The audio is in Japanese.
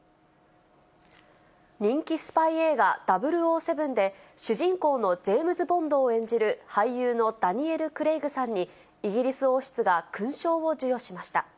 人気スパイ映画、００７で主人公のジェームズ・ボンドを演じる俳優のダニエル・クレイグさんにイギリス王室が勲章を授与しました。